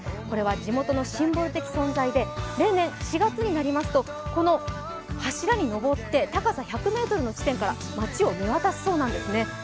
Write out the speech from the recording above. これは地元のシンボル的存在で例年、４月になりますと柱に上って、高さ１００ｍの地点から街を見渡すそうなんですね。